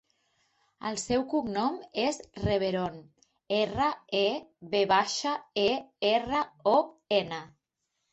El seu cognom és Reveron: erra, e, ve baixa, e, erra, o, ena.